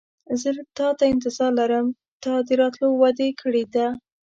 زه تاته انتظار لرم تا د راتلو وعده کړې ده.